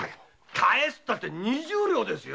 返すったって二十両ですよ！